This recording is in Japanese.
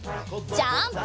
ジャンプ！